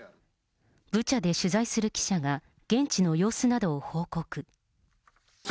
ブチャで取材する記者が現地の様子などを報告。